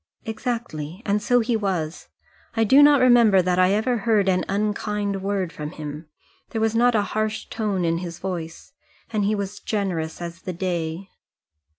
"Exactly; and so he was. I do not remember that I ever heard an unkind word from him. There was not a harsh tone in his voice. And he was generous as the day."